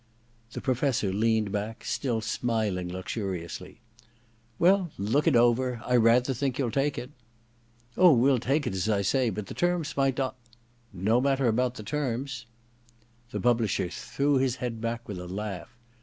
The Professor leaned back, still smiling luxuriously. *Well, look it over — I rather think you'll take it.' 12 THE DESCENT OF MAN ii * Oh, we'll take it, as I say ; but the terms might not '* No matter about the terms * The publisher threw his head back with a laugh.